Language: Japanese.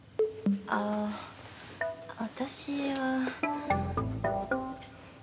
ああ私は。